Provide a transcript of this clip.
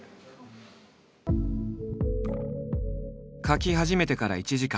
描き始めてから１時間。